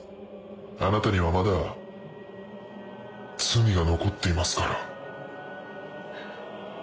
あなたにはまだ罪が残っていますから。